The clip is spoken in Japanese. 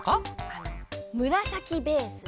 あのむらさきベースに。